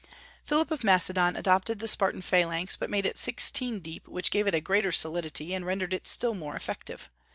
Philip of Macedon adopted the Spartan phalanx, but made it sixteen deep, which gave it greater solidity, and rendered it still more effective.